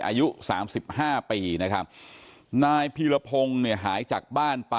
อายุ๓๕ปีนะครับนายพีรพงศ์หายจากบ้าน